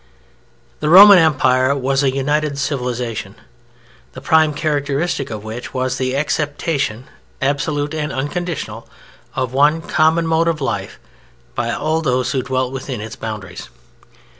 The Roman Empire was a united civilization, the prime characteristic of which was the acceptation, absolute and unconditional, of one common mode of life by all those who dwelt within its boundaries.